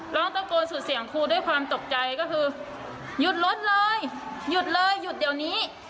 ร้องตะโกนสุดเสียงครูด้วยความตกใจก็คือหยุดรถเลยหยุดเลยหยุดเดี๋ยวนี้